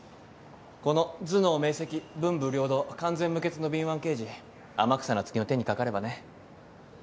この頭脳明晰文武両道完全無欠の敏腕刑事天草那月の手にかかればね。